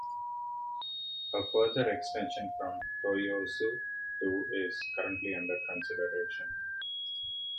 A further extension from Toyosu to is currently under consideration.